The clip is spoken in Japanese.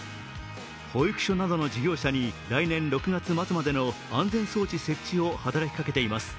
保育所などの事業者に、来年６月末までの安全装置の設置を義務づけています。